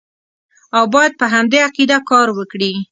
او باید په همدې عقیده کار وکړي.